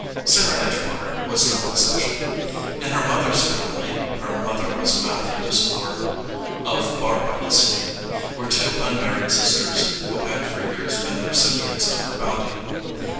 Sarah Edgewater was no excep tion. In her mother s family her mother was a Matthews of Barr by the Sea were two unmar ried sisters who had for years been the recipients of her bounty.